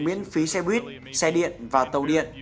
miễn phí xe buýt xe điện và tàu điện